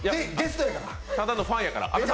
ただのファンやから。